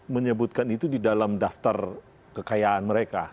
menyebutkan itu di dalam daftar kekayaan mereka